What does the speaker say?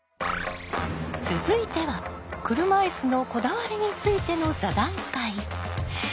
続いては車いすのこだわりについての座談会。